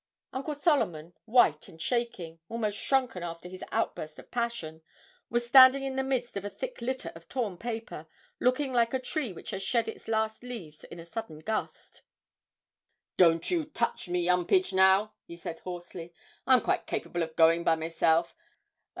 Uncle Solomon, white and shaking, almost shrunken after his outburst of passion, was standing in the midst of a thick litter of torn paper, looking like a tree which has shed its last leaves in a sudden gust. 'Don't you touch me, 'Umpage, now,' he said hoarsely; 'I'm quite capable of going by myself.